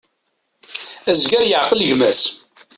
Azger yeεqel gma-s.